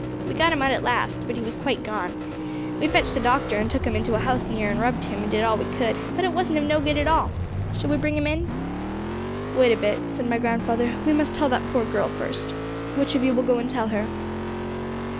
We got him out at last, but he was quite gone; we fetched a doctor, and took him into a house near, and rubbed him, and did all we could; but it wasn't of no good at all! Shall we bring him in?' 'Wait a bit,' said my grandfather; 'we must tell that poor girl first. Which of you will go and tell her?'